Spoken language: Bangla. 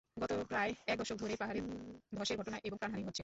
গত প্রায় এক দশক ধরেই পাহাড়ে ধসের ঘটনা এবং প্রাণহানি হচ্ছে।